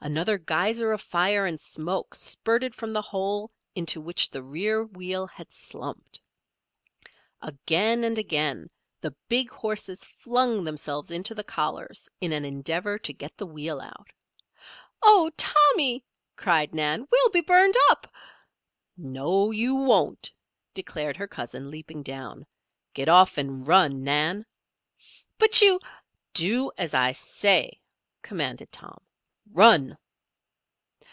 Another geyser of fire and smoke spurted from the hole into which the rear wheel had slumped. Again and again the big horses flung themselves into the collars in an endeavor to get the wheel out. "Oh, Tommy!" cried Nan. "We'll be burned up!" "No you won't," declared her cousin, leaping down. "Get off and run, Nan." "But you " "Do as I say!" commanded Tom. "Run!"